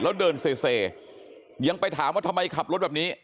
แล้วเดินเซยังไปถามว่าทำไมขับรถแบบนี้